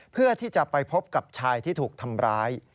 เพื่อที่จะไปพบกับชายที่ถูกทำร้าย